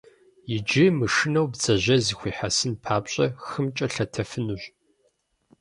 Иджы, мышынэу, бдзэжьей зыхуихьэсын папщӀэ, хымкӀэ лъэтэфынущ.